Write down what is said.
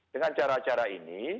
dengan cara cara ini